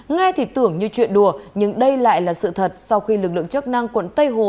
nghe thì tưởng như chuyện đùa nhưng đây lại là sự thật sau khi lực lượng chức năng quận tây hồ